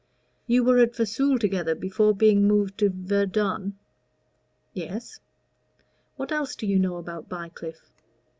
"You were at Vesoul together before being moved to Verdun?" "Yes." "What else do you know about Bycliffe?"